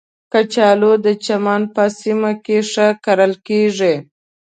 کچالو د چمن په سیمو کې ښه کرل کېږي